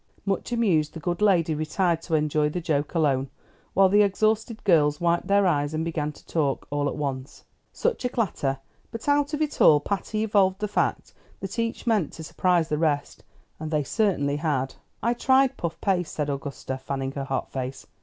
Much amused, the good lady retired to enjoy the joke alone, while the exhausted girls wiped their eyes and began to talk, all at once. Such a clatter! but out of it all Patty evolved the fact that each meant to surprise the rest, and they certainly had. "I tried puff paste," said Augusta, fanning her hot face.